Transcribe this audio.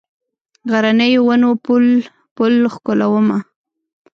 غرنیو ونو پل، پل ښکلومه